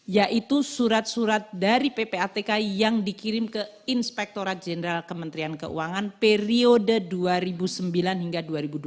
yaitu surat surat dari ppatk yang dikirim ke inspektorat jenderal kementerian keuangan periode dua ribu sembilan hingga dua ribu dua puluh